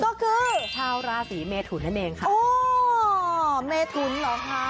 ก็คือชาวราศีเมทุนนั่นเองค่ะโอ้เมถุนเหรอคะ